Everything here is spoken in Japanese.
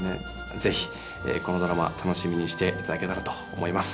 是非このドラマ楽しみにしていただけたらと思います。